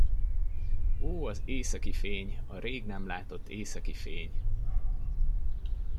Ó, az északi fény, a rég nem látott északi fény!